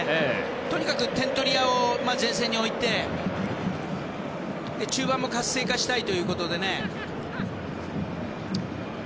とにかく点取り屋を前線に置いて中盤も活性化したいということで。